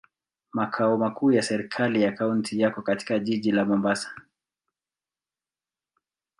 Makao makuu ya serikali ya kaunti yako katika jiji la Mombasa.